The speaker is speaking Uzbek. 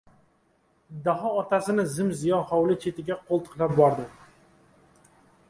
Daho otasini zim-ziyo hovli chetiga qo‘ltiqlab bordi.